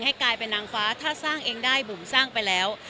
กลายเป็นนางฟ้าถ้าสร้างเองได้บุ๋มสร้างไปแล้ว